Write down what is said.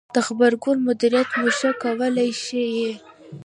-د غبرګون مدیریت مو ښه کولای ش ئ